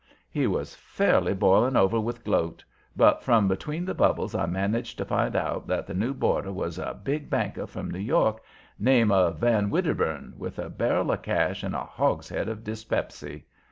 He was fairly boiling over with gloat, but from between the bubbles I managed to find out that the new boarder was a big banker from New York, name of Van Wedderburn, with a barrel of cash and a hogshead of dyspepsy.